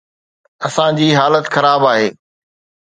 اسان جي حالت خراب آهي.